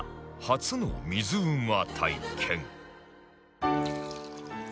初の水うま体験